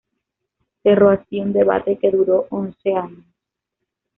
Cerró así un debate que duró once años.